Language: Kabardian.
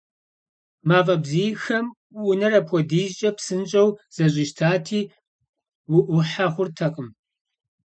Мафӏэ бзийхэм унэр апхуэдизкӏэ псынщӏэу зэщӏищтати, уӏухьэ хъуртэкъым.